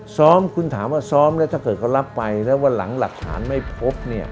ซ้อมคุณถามว่าซ้อมแล้วถ้าเกิดเขารับไปแล้ววันหลังหลักฐานไม่พบเนี่ย